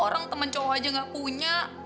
orang temen cowok aja gak punya